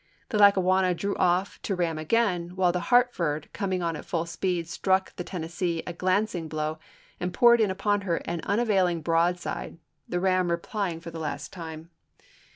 The Lackawanna drew off to ram again, while the Hartford, coming on at full speed, struck the Tennessee a glancing blow, and poured in upon her an unavailing broad side, the ram replying for the last time.